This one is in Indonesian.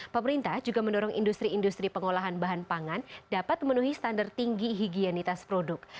pemerintah juga mendorong industri industri pengolahan bahan pangan dapat memenuhi standar tinggi higienitas produk